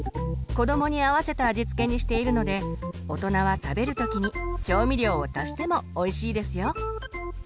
子どもに合わせた味付けにしているので大人は食べる時に調味料を足してもおいしいですよ。